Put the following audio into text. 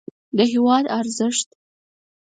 د هېواد ارزښت